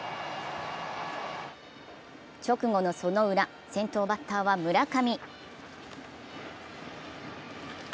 直後のそのウラ、先頭バッターは村上。